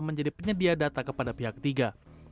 menjadi penyedia data kepada pihak ketiga